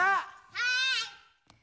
はい！